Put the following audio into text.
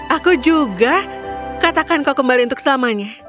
aku juga katakan kau kembali untuk selamanya